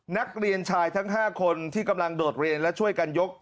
นักเรียนชายทั้ง๕คนที่กำลังโดดเรียนและช่วยกันยก